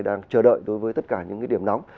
đang chờ đợi đối với tất cả những điểm nóng